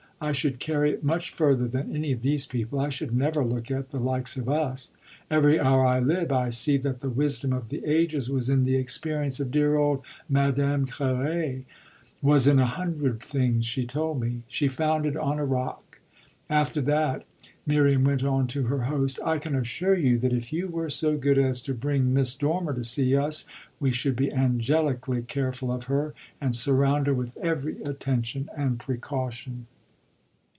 I should carry it much further than any of these people: I should never look at the likes of us! Every hour I live I see that the wisdom of the ages was in the experience of dear old Madame Carré was in a hundred things she told me. She's founded on a rock. After that," Miriam went on to her host, "I can assure you that if you were so good as to bring Miss Dormer to see us we should be angelically careful of her and surround her with every attention and precaution."